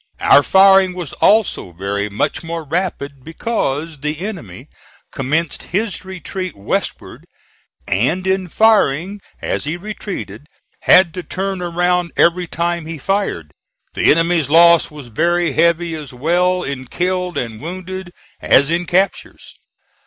Our firing was also very much more rapid, because the enemy commenced his retreat westward and in firing as he retreated had to turn around every time he fired. The enemy's loss was very heavy, as well in killed and wounded as in captures.